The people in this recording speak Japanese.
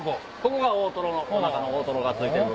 ここが大トロのお腹の大トロがついてる。